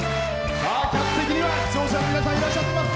客席には出場者の皆さんいらっしゃってます。